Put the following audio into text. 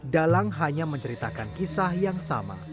dalang hanya menceritakan kisah yang sama